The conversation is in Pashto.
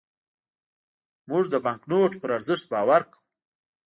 موږ د بانکنوټ پر ارزښت باور کوو.